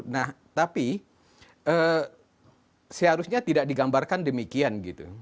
nah tapi seharusnya tidak digambarkan demikian gitu